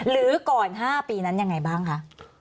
หรือก่อน๕ปีนั้นยังไงบ้างคะ